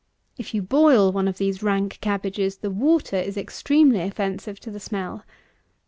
If you boil one of these rank cabbages, the water is extremely offensive to the smell.